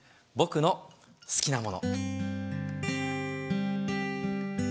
僕の好きなもの。